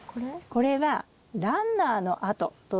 これはランナーの跡といいます。